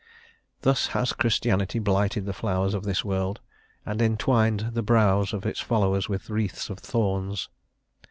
Thus has Christianity blighted the flowers of this world, and entwined the brows of its followers with wreaths of thorns.